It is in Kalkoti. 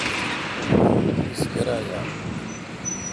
تیس کیرایال؟